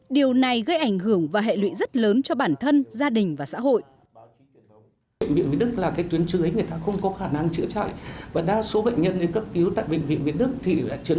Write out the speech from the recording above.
điều này gây ảnh hưởng và hệ lụy rất lớn cho bản thân gia đình và xã hội